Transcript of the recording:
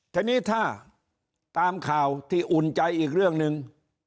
ทีนี้ถ้าตามข่าวที่อุ่นใจอีกเรื่องหนึ่ง